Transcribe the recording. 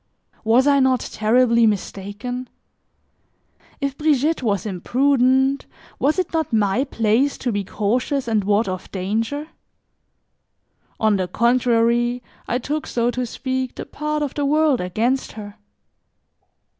Was I not terribly mistaken? If Brigitte was imprudent, was it not my place to be cautious and ward off danger? On the contrary, I took, so to speak, the part of the world against her.